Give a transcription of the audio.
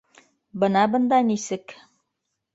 Бына бында нисек